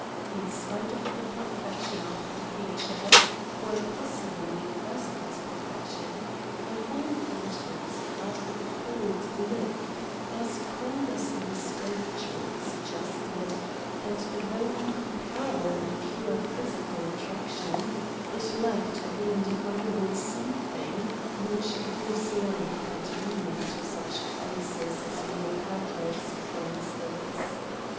In spite of the perfection of the features, or possibly because of this perfection, the whole countenance had a cold look, as cold as the sculpture it suggested; and, though incomparable in pure physical attraction, it lacked the indefinable something which gives life and meaning to such faces as Mayor Packard's, for instance.